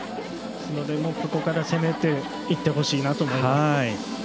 ここから攻めていってほしいと思います。